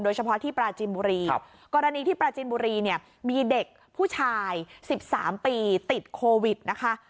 เฉพาะที่ปราจินบุรีกรณีที่ปราจินบุรีเนี่ยมีเด็กผู้ชาย๑๓ปีติดโควิดนะคะ